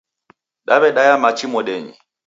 Dawedaya machi modenyi